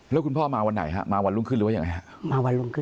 แล้วคุณพ่อมาวันไหนฮะมาวันลุงขึ้นหรือว่ายังไงฮะ